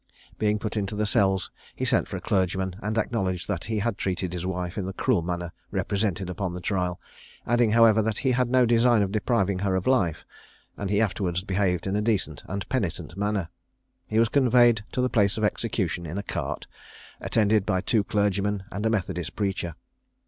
Being put into the cells, he sent for a clergyman, and acknowledged that he had treated his wife in the cruel manner represented upon the trial; adding, however, that he had no design of depriving her of life: and he afterwards behaved in a decent and penitent manner. He was conveyed to the place of execution in a cart, attended by two clergymen and a methodist preacher.